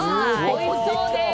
おいしそうです。